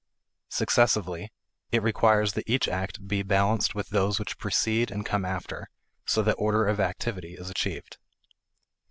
Successively, it requires that each act be balanced with those which precede and come after, so that order of activity is achieved.